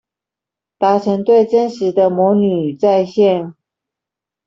達成對真實的模擬與再現